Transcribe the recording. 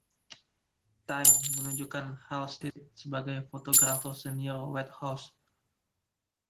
“Time” menunjuk Halstead sebagai Fotografer Senior White House.